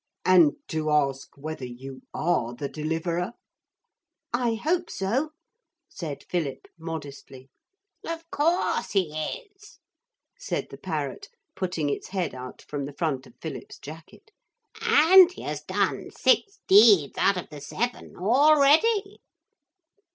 'And to ask whether you are the Deliverer?' 'I hope so,' said Philip modestly. 'Of course he is,' said the parrot, putting its head out from the front of Philip's jacket; 'and he has done six deeds out of the seven already.'